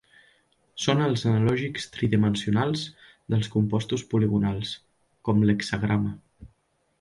Són els analògics tridimensionals dels compostos poligonals, com l'hexagrama.